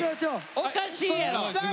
おかしいやろ！